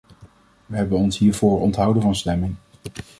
We hebben ons hiervoor onthouden van stemming.